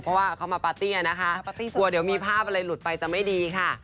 เพราะว่าเขามาปาร์ตี้นะคะกลัวเดี๋ยวมีภาพอะไรหลุดไปจะไม่ดีค่ะ